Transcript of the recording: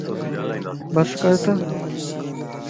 بس ڪرت